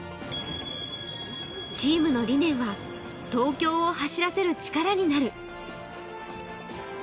チームの理念は「東京を走らせる力になる」。